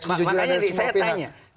kejujuran dari semua pindah